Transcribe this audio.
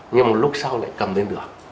nhưng một lúc sau lại cầm lên được